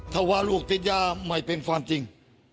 ถ้าว่าลูกติดยาไม่เป็นความจริง